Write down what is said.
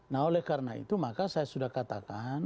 nah oleh karena itu maka saya sudah katakan